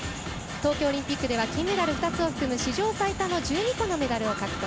東京オリンピックでは金メダル２つを含む史上最多の１２個のメダルを獲得。